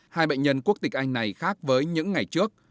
hai bệnh nhân quốc tịch anh này khác với những ngày trước